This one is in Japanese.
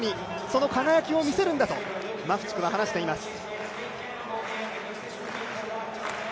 その輝きを見せるんだとマフチクは話しています。